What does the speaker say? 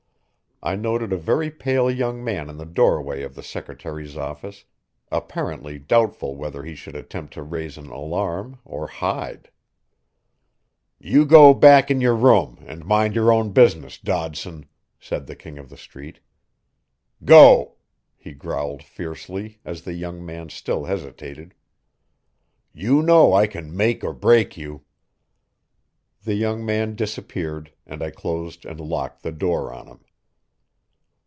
I noted a very pale young man in the doorway of the secretary's office, apparently doubtful whether he should attempt to raise an alarm or hide. "You go back in your room and mind your own business, Dodson," said the King of the Street. "Go!" he growled fiercely, as the young man still hesitated. "You know I can make or break you." The young man disappeared, and I closed and locked the door on him.